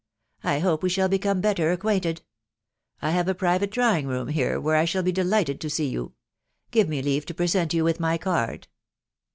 I hope we shall become better acquainted ; I have a private drawing room here where 286 THE WIDOW BABIf ABY. I shall be delighted to see you. ... Give me leave to pnm you with my card."